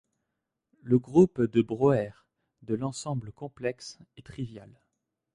Le groupe de Brauer de ℂ est trivial.